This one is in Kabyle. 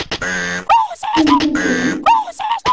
Fkant-asen-t.